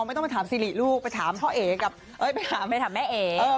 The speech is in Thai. ไม่ต้องไปถามสิริลูกไปถามพ่อเอกกับเอ้ยไปถามไปถามแม่เอกเออ